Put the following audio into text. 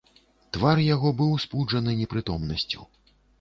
Твар яго быў спуджаны непрытомнасцю.